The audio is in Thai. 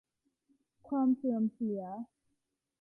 ความเสื่อมเสีย